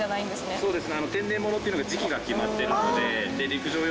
そうですね。